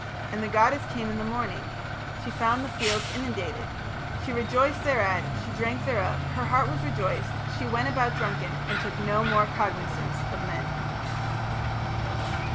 "And the goddess came in the morning; she found the fields inundated, she rejoiced thereat, she drank thereof, her heart was rejoiced, she went about drunken and took no more cognizance of men."